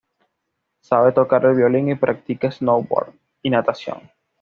Sabe tocar el violín y practica snowboard y natación.